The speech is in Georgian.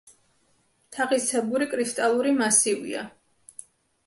თაღისებური კრისტალური მასივია.